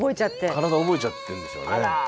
体覚えちゃってんでしょうね。